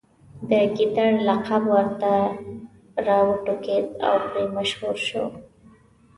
د ګیدړ لقب ورته راوټوکېد او پرې مشهور شو.